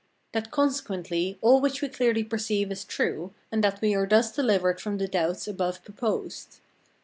That consequently all which we clearly perceive is true, and that we are thus delivered from the doubts above proposed.